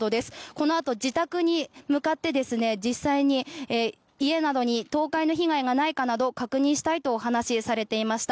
このあと、自宅に向かって実際に家などに倒壊の被害がないかなど確認したいとお話しされていました。